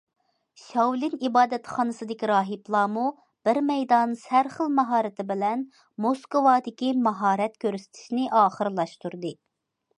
شاۋلىن ئىبادەتخانىسىدىكى راھىبلارمۇ بىر مەيدان سەرخىل ماھارىتى بىلەن موسكۋادىكى ماھارەت كۆرسىتىشىنى ئاخىرلاشتۇردى.